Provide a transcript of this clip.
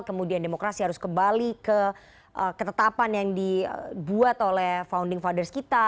kemudian demokrasi harus kembali ke ketetapan yang dibuat oleh founding fathers kita